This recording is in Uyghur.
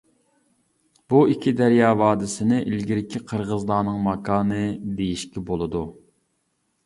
بۇ ئىككى دەريا ۋادىسىنى ئىلگىرىكى قىرغىزلارنىڭ ماكانى دېيىشكە بولىدۇ.